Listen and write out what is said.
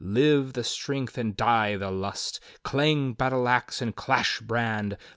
live the strength and die the lust! Clang battle ax, and clash brand!